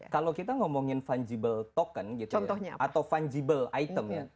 kalau kita ngomongin fungible token atau fungible item